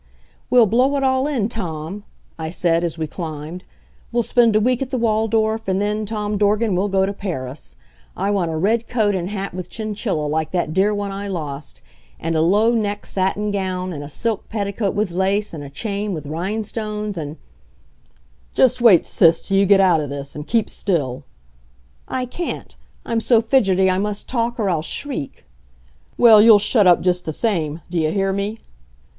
"We'll blow it all in, Tom," I said, as we climbed. "We'll spend a week at the Waldorf, and then, Tom Dorgan, we'll go to Paris. I want a red coat and hat with chinchilla, like that dear one I lost, and a low neck satin gown, and a silk petticoat with lace, and a chain with rhinestones, and " "Just wait, Sis, till you get out of this. And keep still." "I can't. I'm so fidgety I must talk or I'll shriek." "Well, you'll shut up just the same. Do you hear me?"